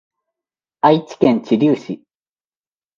愛知県知立市